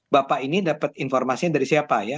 bapak ini dapat informasinya dari siapa ya